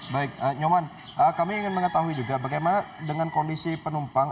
baik nyoman kami ingin mengetahui juga bagaimana dengan kondisi penumpang